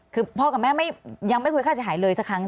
คือพ่อกับแม่ยังไม่คุยค่าเสียหายเลยสักครั้ง